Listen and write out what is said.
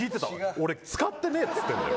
俺、使ってねえっつってんだよ。